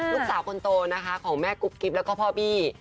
ลูกสาวคนโตนะคะของแม่กุ๊บกิ๊บแล้วก็พ่อบี้